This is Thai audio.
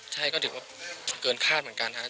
ใช่ก็คิดว่าเกินคาดเหมือนกัน